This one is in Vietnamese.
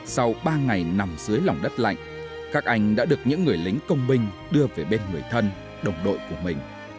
sau ba ngày nằm dưới lòng đất lạnh các anh đã được những người lính công binh đưa về bên người thân đồng đội của mình